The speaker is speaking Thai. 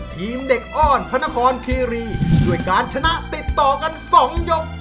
ทีมเด็กอ้อนพระนครคีรีด้วยการชนะติดต่อกัน๒ยก